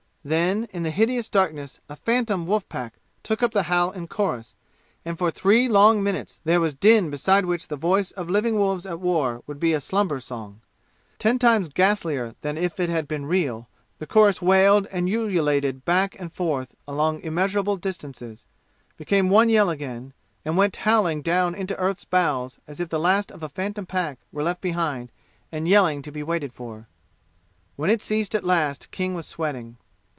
Then in the hideous darkness a phantom wolf pack took up the howl in chorus, and for three long minutes there was din beside which the voice of living wolves at war would be a slumber song. Ten times ghastlier than if it had been real, the chorus wailed and ululated back and forth along immeasurable distances became one yell again and went howling down into earth's bowels as if the last of a phantom pack were left behind and yelling to be waited for. When it ceased at last King was sweating.